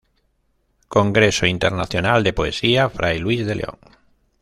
Congreso internacional de poesía Fray Luis de León".